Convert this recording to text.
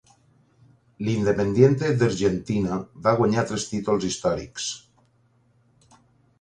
L'Independiente d'Argentina va guanyar tres títols històrics.